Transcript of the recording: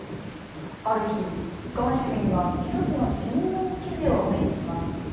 ある日ガーシュウィンは一つの新聞記事を目にします。